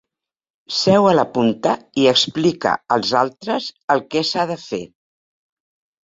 Seu a la punta i explica als altres el que s'ha de fer.